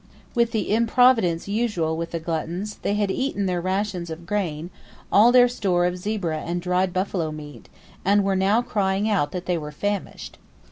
With the improvidence usual with the gluttons, they had eaten their rations of grain, all their store of zebra and dried buffalo meat, and were now crying out that they were famished.